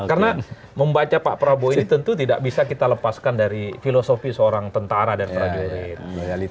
karena membaca pak prabowo ini tentu tidak bisa kita lepaskan dari filosofi seorang tentara dan prajurit